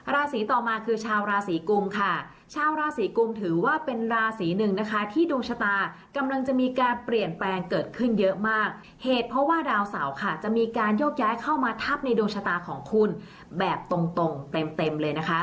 ราศีต่อมาคือชาวราศีกุมค่ะชาวราศีกุมถือว่าเป็นราศีหนึ่งนะคะที่ดวงชะตากำลังจะมีการเปลี่ยนแปลงเกิดขึ้นเยอะมากเหตุเพราะว่าดาวเสาค่ะจะมีการโยกย้ายเข้ามาทับในดวงชะตาของคุณแบบตรงตรงเต็มเลยนะคะ